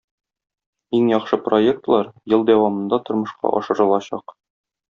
Иң яхшы проектлар ел дәвамында тормышка ашырылачак.